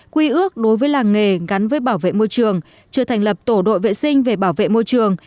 quy ước đối với làng nghề gắn với bảo vệ môi trường chưa thành lập tổ đội vệ sinh về bảo vệ môi trường